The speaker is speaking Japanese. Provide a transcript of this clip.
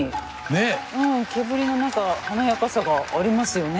毛振りの何か華やかさがありますよね。